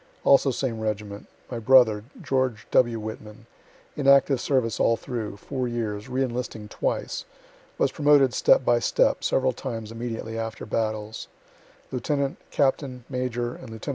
Also, same reg't., my brother, George W. Whitman in active service all through, four years, re enlisting twice was promoted, step by step, (several times immediately after battles,) lieutenant, captain, major and lieut.